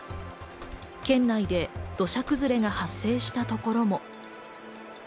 県内で土砂崩れが発生したところも。